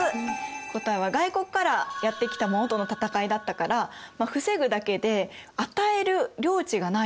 答えは外国からやって来たものとの戦いだったから防ぐだけで与える領地がないよね。